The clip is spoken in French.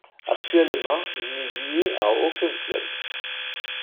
Actuellement, il n'est lié à aucun club.